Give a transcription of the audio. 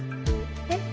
えっ？